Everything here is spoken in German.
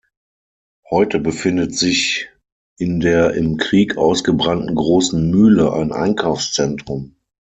Heute befindet sich in der im Krieg ausgebrannten Großen Mühle ein Einkaufszentrum.